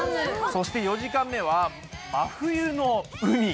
そして４時間目は「真冬の海」。